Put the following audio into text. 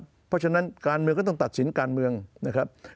เพราะฉะนั้นการเมืองก็ต้องตัดสินการเมืองนะครับ